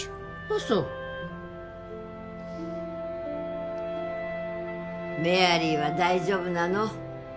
そメアリーは大丈夫なの？